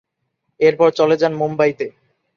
এরপর চলে যান মুম্বাইতে।